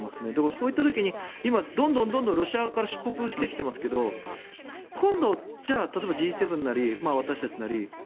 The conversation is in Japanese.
そういった時に、どんどんロシアから出国してきてますが今度、じゃあ例えばＧ７なり私たちなり